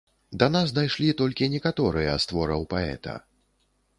Да нас дайшлі толькі некаторыя з твораў паэта.